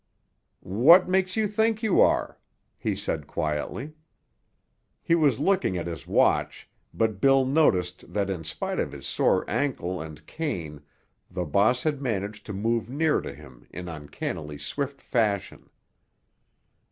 "What makes you think you are?" he said quietly. He was looking at his watch, but Bill noticed that in spite of his sore ankle and cane the boss had managed to move near to him in uncannily swift fashion.